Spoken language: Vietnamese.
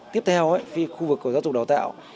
tiếp theo khu vực của giáo dục đào tạo